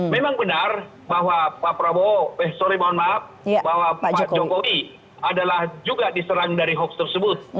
memang benar bahwa pak prabowo eh sorry mohon maaf bahwa pak jokowi adalah juga diserang dari hoax tersebut